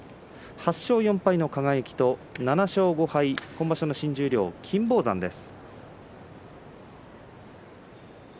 ８勝４敗の輝と７勝５敗、今場所の新十両金峰山です。